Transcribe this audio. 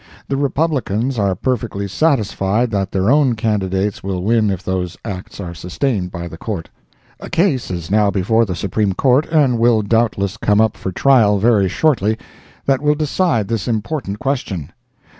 The Republicans are perfectly satisfied that their own candidates will win if those acts are sustained by the Court. A case is now before the Supreme Court, and will doubtless come up for trial very shortly, that will decide this important question.